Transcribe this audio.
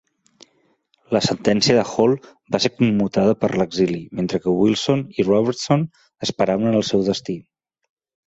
La sentència de Hall va ser commutada per l'exili, mentre que Wilson i Robertson esperaven el seu destí.